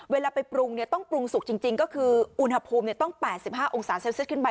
เวลาไปปรุงต้องปรุงสุกจริงก็คืออุณหภูมิต้อง๘๕องศาเซลเซียสขึ้นไป